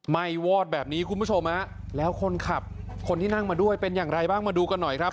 ้วอดแบบนี้คุณผู้ชมฮะแล้วคนขับคนที่นั่งมาด้วยเป็นอย่างไรบ้างมาดูกันหน่อยครับ